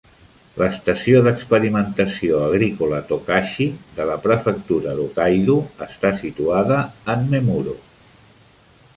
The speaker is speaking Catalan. L'estació d'experimentació agrícola Tokachi de la prefectura d'Hokkaido està situada en Memuro.